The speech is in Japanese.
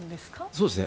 そうですね。